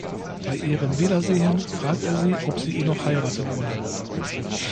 Bei ihrem Wiedersehen fragt er sie, ob sie ihn noch heiraten wolle.